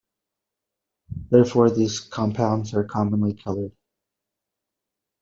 Therefore, these compounds are commonly colored.